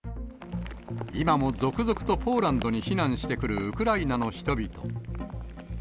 今も続々とポーランドに避難してくるウクライナの人々。